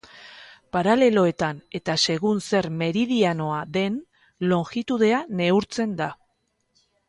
Paraleloetan, eta segun zer meridianoa den, longitudea neurtzen da.